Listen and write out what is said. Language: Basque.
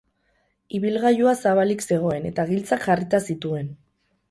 Ibilgailua zabalik zegoen eta giltzak jarrita zituen.